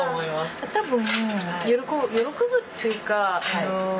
多分喜ぶっていうか。